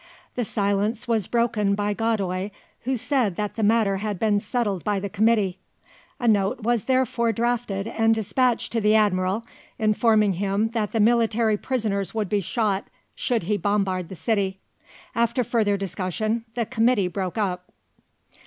The silence was broken by Godoy, who said that the matter had been settled by the Committee. A note was therefore drafted and despatched to the Admiral, informing him that the military prisoners would be shot should he bombard the city. After further discussion the Committee broke up.